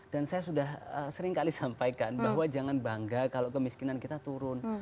dan saya sudah sering kali sampaikan bahwa jangan bangga kalau kemiskinan kita turun